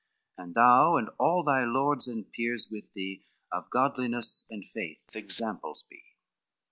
And thou and all thy lords and peers with thee, Of godliness and faith examples be."